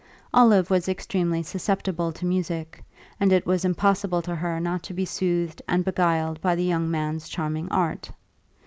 Olive was extremely susceptible to music, and it was impossible to her not to be soothed and beguiled by the young man's charming art.